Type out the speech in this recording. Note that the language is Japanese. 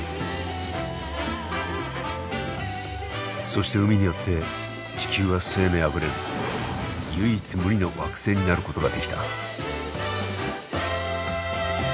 そして海によって地球は生命あふれる唯一無二の惑星になることができた。